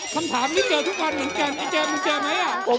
คำถามนี้เจอทุกวันเหมือนแกแจมมึงเจอไหม